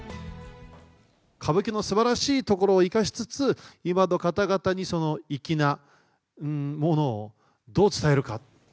歌舞伎のすばらしいところを生かしつつ、今の方々にそのいきなものをどう伝えるか。